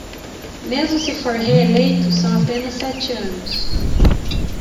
Mesmo se for reeleito, são apenas sete anos.